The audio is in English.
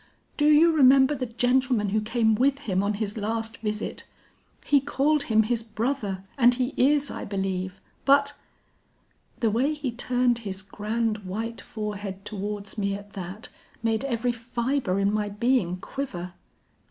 'Do you remember the gentleman who came with him on his last visit? He called him his brother, and he is I believe, but ' "The way he turned his grand white forehead towards me at that, made every fibre in my being quiver.